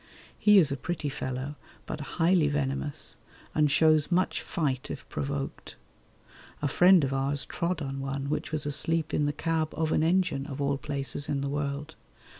He is a pretty fellow but highly venomous, and shows much fight if provoked. A friend of ours trod on one which was asleep in the cab of an engine, of all places in the world.